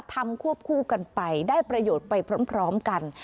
ควบคู่กันไปได้ประโยชน์ไปพร้อมกัน